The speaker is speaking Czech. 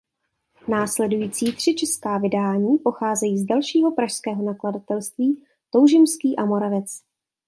Následující tři česká vydání pocházejí z dalšího pražského nakladatelství Toužimský a Moravec.